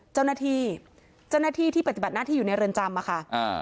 เจ้าหน้าที่เจ้าหน้าที่ที่ปฏิบัติหน้าที่อยู่ในเรือนจำอ่ะค่ะอ่า